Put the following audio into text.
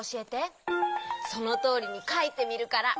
そのとおりにかいてみるから。